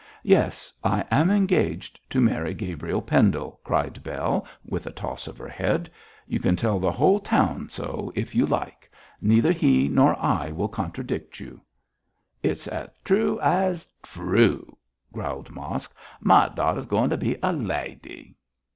'Yes! I am engaged to marry Gabriel Pendle,' cried Bell, with a toss of her head. 'You can tell the whole town so if you like. Neither he nor I will contradict you.' 'It's as true as true!' growled Mosk. 'My daughter's going to be a lady.'